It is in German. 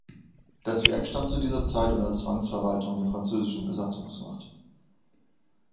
Das Werk stand zu dieser Zeit unter Zwangsverwaltung der französischen Besatzungsmacht.